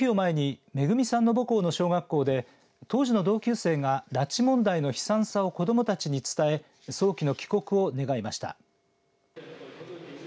この日を前にめぐみさんの母校の小学校で当時の同級生が拉致問題の悲惨さを子どもたちに伝え早期の帰国を願いました。